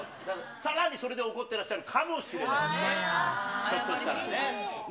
さらにそれで怒ってらっしゃるかもしれないね、ひょっとしたらね。